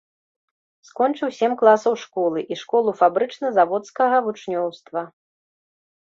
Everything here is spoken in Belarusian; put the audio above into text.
Скончыў сем класаў школы і школу фабрычна-заводскага вучнёўства.